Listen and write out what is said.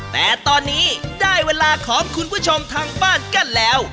แต่ตอนนี้ได้เวลาของคุณผู้ชมทางบ้านกันแล้ว